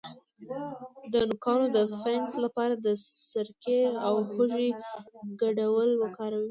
د نوکانو د فنګس لپاره د سرکې او هوږې ګډول وکاروئ